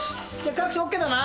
各所ＯＫだな。